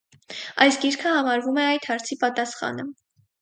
Այս գիրքը համարվում է այդ հարցի պատասխանը։